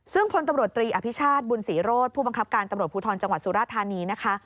ซึ่งพลตำรวจตรีอภิชาติบุญศรีโรธผู้บังคับการตำรวจภูทรจังหวัดสุราธานีนะคะ